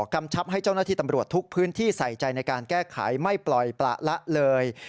กำชับให้เจ้าหน้าที่ตำรวจทุกพื้นที่ใส่ใจในการแก้ไขไม่ปล่อยประละเลย